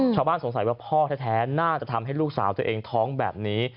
สงสัยว่าพ่อแท้น่าจะทำให้ลูกสาวตัวเองท้องแบบนี้